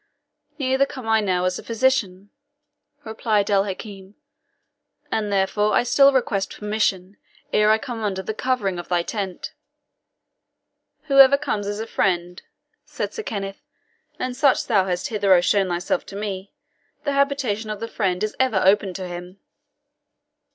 "Neither come I now as a physician," replied El Hakim; "and therefore I still request permission, ere I come under the covering of thy tent." "Whoever comes as a friend," said Sir Kenneth, "and such thou hast hitherto shown thyself to me, the habitation of the friend is ever open to him."